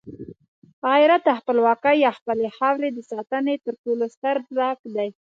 غیرت د خپلواکۍ او خپلې خاورې د ساتنې تر ټولو ستر ځواک دی.